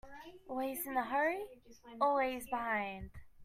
Always in a hurry, always behind.